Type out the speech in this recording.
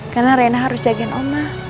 karena rena harus jagain oma